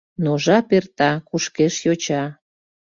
...Но жап эрта, кушкеш йоча.